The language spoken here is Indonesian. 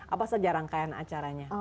apa saja rangkaian acaranya